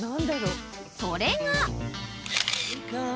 ［それが］